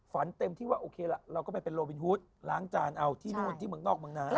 เต็มที่ว่าโอเคละเราก็ไปเป็นโลวินฮูตล้างจานเอาที่นู่นที่เมืองนอกเมืองนั้น